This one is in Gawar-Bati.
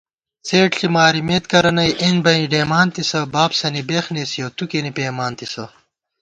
څېڈ ݪی مارِمېت کرہ نئ اېن بئیں ڈېئیمان تِسہ * بابسَنی بېخ نېسِیَؤ تُو کېنےپېئیمانتِسہ